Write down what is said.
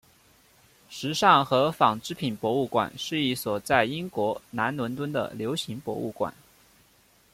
时尚和纺织品博物馆是一所在英国南伦敦的流行博物馆。